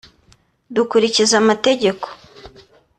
Dukurikiza amategeko